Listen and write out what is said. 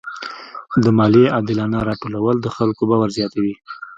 د مالیې عادلانه راټولول د خلکو باور زیاتوي.